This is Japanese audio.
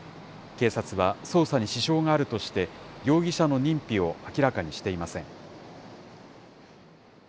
警察は、捜査に支障があるとして、容疑者の認否を明らかにしていません。